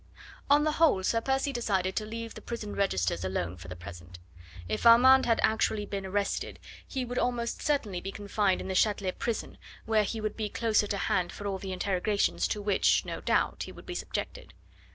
On the whole, Sir Percy decided to leave the prison registers alone for the present. If Armand had been actually arrested, he would almost certainly be confined in the Chatelet prison, where he would be closer to hand for all the interrogatories to which, no doubt, he would be subjected.